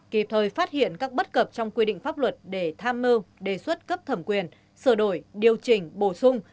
kịp thời phát hiện các bất cập trong quy định pháp luật để tham mưu đề xuất cấp thẩm quyền sửa đổi điều chỉnh bổ sung